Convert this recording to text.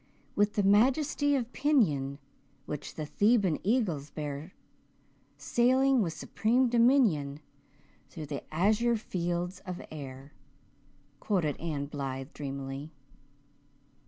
"'With the majesty of pinion Which the Theban eagles bear Sailing with supreme dominion Through the azure fields of air.'" quoted Anne Blythe dreamily.